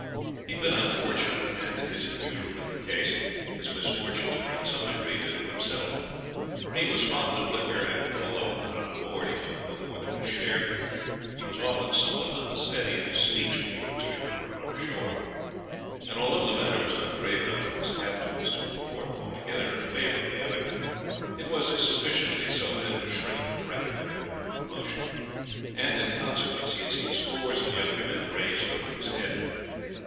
He had been unfortunate, and, as is usually the case, his misfortunes were in some degree due to himself, for he was fond of liquor, and although, when on board, he took no more than his share, he was often somewhat unsteady in his speech when he returned from a run ashore; and although the matter was not grave enough for his captains to report altogether unfavorably of him, it was sufficiently so for them to shrink from recommending him for promotion, and in consequence he had seen scores of younger men raised over his head.